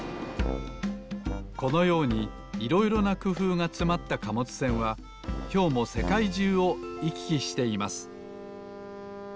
このようにいろいろなくふうがつまった貨物船はきょうもせかいじゅうをいききしています